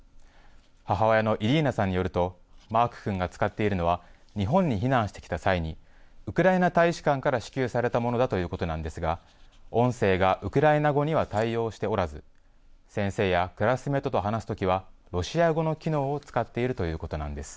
母親のイリーナさんによると、マーク君が使っているのは、日本に避難してきた際に、ウクライナ大使館から支給されたものだということなんですが、音声がウクライナ語には対応しておらず、先生やクラスメートと話すときはロシア語の機能を使っているということなんです。